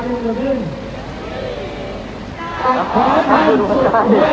แต่ถ้าจะทำสุดระเบือน